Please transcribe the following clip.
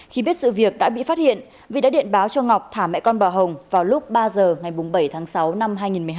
khi biết sự việc đã bị phát hiện vi đã điện báo cho ngọc thả mẹ con bà hồng vào lúc ba giờ ngày bảy tháng sáu năm hai nghìn một mươi hai